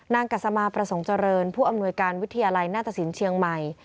กัสมาประสงค์เจริญผู้อำนวยการวิทยาลัยหน้าตสินเชียงใหม่